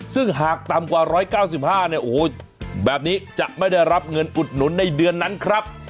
ซึ่งหากต่ำกว่า๑๙๕เนี่ยโอ้โหแบบนี้จะไม่ได้รับเงินอุดหนุนในเดือนนั้นครับ